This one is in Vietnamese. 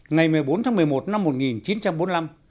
ngày một mươi bốn tháng một mươi một năm một nghìn chín trăm một mươi sáu